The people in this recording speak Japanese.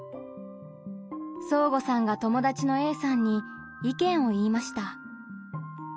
そーごさんが友達のＡさんに意見を言いました。